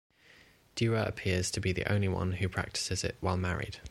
Dua appears to be the only one who practices it while married.